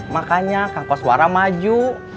makanya kang kau suara maju